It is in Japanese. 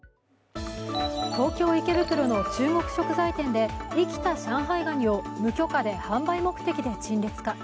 東京・池袋の中国食材店で生きた上海ガニを無許可で販売目的で陳列か。